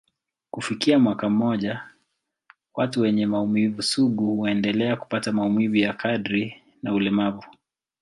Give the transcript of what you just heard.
Kufikia mwaka mmoja, watu wenye maumivu sugu huendelea kupata maumivu ya kadri na ulemavu.